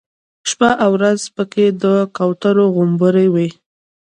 شپه او ورځ په کې د کوترو غومبر وي.